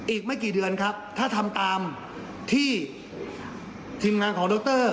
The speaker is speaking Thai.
อีกไม่กี่เดือนครับถ้าทำตามที่ทีมงานของดร